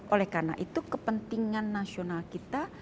oleh karena itu kepentingan nasional kita